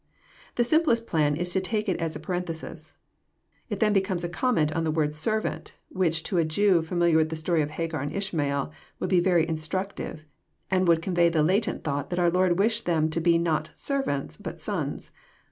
The simplest plan is to take it as a parenthesis. It then becomes a comment on the word *' servant," which to a Jew, familiar with the stoiy of Hagar and Ishmael, would be very instructive, and would convey the latent thought that our Lord wished them to be not servants but sons.